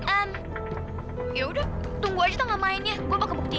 ehm yaudah tunggu aja tanggal mainnya gue bakal buktiin